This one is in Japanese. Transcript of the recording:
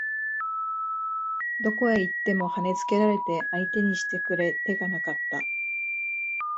どこへ行っても跳ね付けられて相手にしてくれ手がなかった